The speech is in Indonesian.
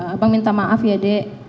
abang minta maaf ya dek